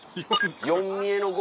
４見えの５。